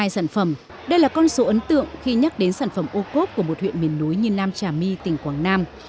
hai sản phẩm đây là con số ấn tượng khi nhắc đến sản phẩm ô cốp của một huyện miền núi như nam trà my tỉnh quảng nam